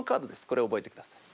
これ覚えてください。